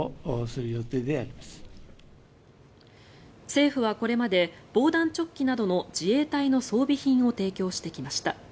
政府はこれまで防弾チョッキなどの自衛隊の装備品を提供してきました。